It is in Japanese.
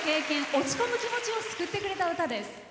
落ち込む気持ちを救ってくれた歌です。